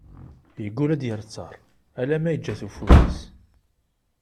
Yeggul ar d-yerr ttaṛ, ala ma yeǧǧa-t ufud-is.